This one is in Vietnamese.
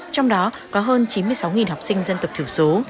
trong đó có hơn chín mươi sáu học sinh dân tộc thiểu số